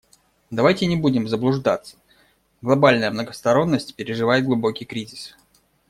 Давайте не будем заблуждаться: глобальная многосторонность переживает глубокий кризис.